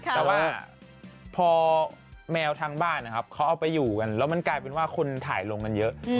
แต่ว่าพอแมวทางบ้านนะครับเขาเอาไปอยู่กันแล้วมันกลายเป็นว่าคนถ่ายลงกันเยอะ